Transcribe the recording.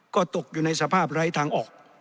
ก็ตกอยู่ในสภาพไร้ทางออก